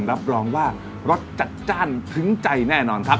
รับรองว่ารสจัดจ้านถึงใจแน่นอนครับ